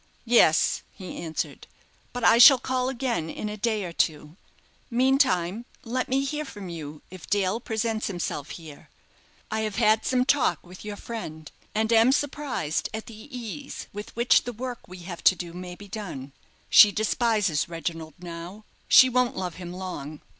"Yes," he answered; "but I shall call again in a day or two. Meantime, let me hear from you, if Dale presents himself here. I have had some talk with your friend, and am surprised at the ease with which the work we have to do may be done. She despises Reginald now; she won't love him long.